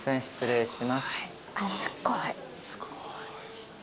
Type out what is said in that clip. すごい。